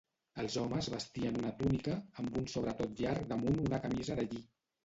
Els homes vestien una túnica, amb un sobretot llarg damunt una camisa de lli.